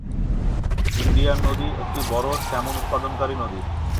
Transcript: Indian নদী একটি বড় স্যামন-উৎপাদনকারী নদী।